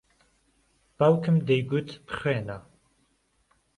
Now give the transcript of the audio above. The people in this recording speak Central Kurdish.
باوکم دەیگوت بخوێنە.